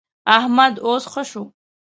احمد اوس ښه شو.